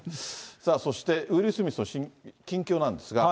そして、ウィル・スミスの近況なんですが。